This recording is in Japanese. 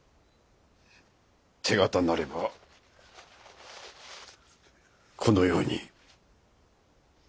手形なればこのように。